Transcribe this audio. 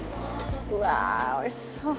うわー、おいしそう！